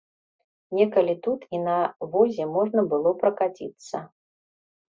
Некалі тут і на возе можна было пракаціцца.